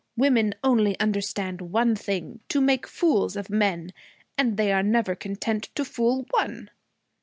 Women only understand one thing, to make fools of men. And they are never content to fool one.'